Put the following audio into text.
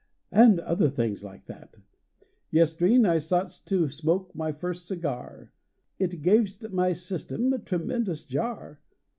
and other things like that! Yestreen I soughtst to smoke my first cigar: It gav st my system a tremendous jar!